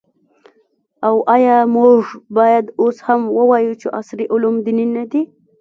او آیا موږ باید اوس هم ووایو چې عصري علوم دیني نه دي؟